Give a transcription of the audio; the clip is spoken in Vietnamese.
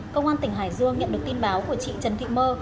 công an tỉnh hải dương nhận được tin báo của chị trần thị mơ